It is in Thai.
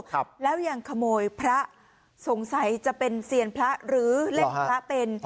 ครับแล้วยังขโมยพระสงสัยจะเป็นเซียนพระหรือเล่นพระเป็น